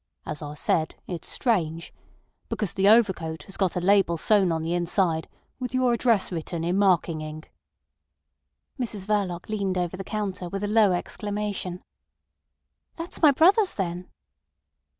"As I said, it's strange. Because the overcoat has got a label sewn on the inside with your address written in marking ink." Mrs Verloc leaned over the counter with a low exclamation. "That's my brother's, then."